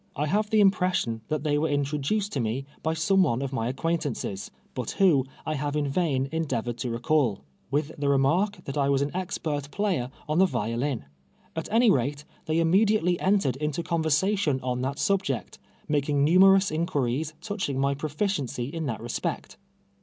I have the impres THE rU'O STK.\JSrGEE3. 29 sion that tliej were introduced to me by some one of mj acquaintances, but who, I have in vain endeavor ed to recall, with the remark that I was an expert player on the violin. At any rate, they immediately entered into conver sation on that subject, making numerous incpiiries touching my proficiency in that respect.